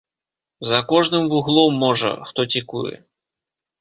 За кожным вуглом, можа, хто цікуе.